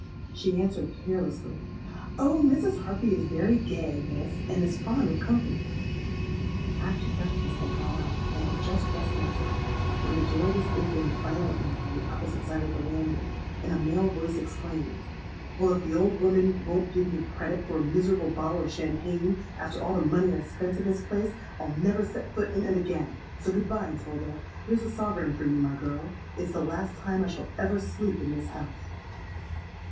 She answered carelessly, 'Oh! Mrs. Harpy is very gay, Miss, and is fond of company.'—After breakfast I got up, and had just dressed myself, when a door was opened violently on the opposite side of the landing, and a male voice exclaimed, 'Well, if the old woman won't give me credit for a miserable bottle of champagne, after all the money I've spent in the place, I'll never set foot in it again. So good bye, 'Tilda. Here's a sovereign for you, my girl. It's the last time I shall ever sleep in this house.'